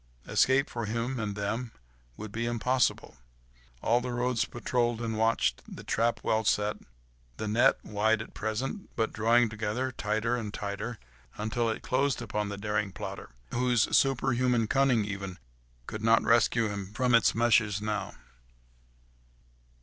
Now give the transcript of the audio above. Escape for him and them would be impossible. All the roads patrolled and watched, the trap well set, the net, wide at present, but drawing together tighter and tighter, until it closed upon the daring plotter, whose superhuman cunning even could not rescue him from its meshes now.